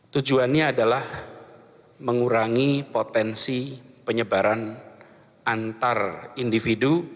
tujuannya adalah mengurangi potensi penyebaran antar individu